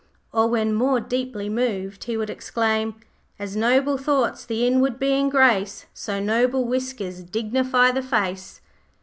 Or, when more deeply moved, he would exclaim 'As noble thoughts the inward being grace, So noble whiskers dignify the face.'